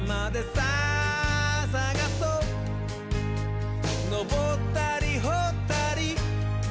「さあさがそうのぼったりほったり」